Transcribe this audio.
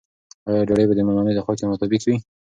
آیا ډوډۍ به د مېلمنو د خوښې مطابق وي؟